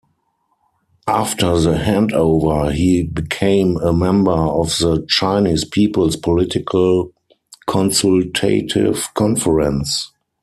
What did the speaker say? After the Handover he became a member of the Chinese People's Political Consultative Conference.